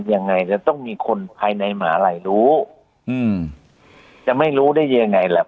ยังไงจะต้องมีคนภายในหมาลัยรู้อืมจะไม่รู้ได้ยังไงแหละ